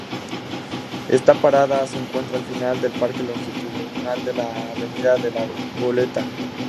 Esta parada se encuentra al final del parque longitudinal de la avenida La Goleta.